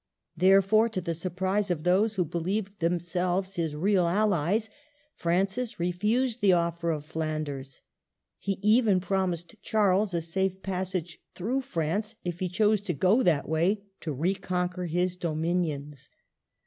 Therefore, to the surprise of those who believed themselves his real allies, Francis refused the offer of Flanders. He even promised Charles a safe passage through France if he chose to go that way to reconquer his dominions.